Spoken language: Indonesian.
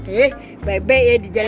eh bye bye ya di jalan